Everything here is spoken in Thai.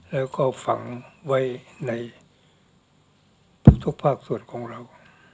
แล้วก็ฝังไว้ในทุกภาคส่วนของเรา